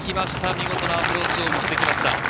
見事なアプローチを見せてきました。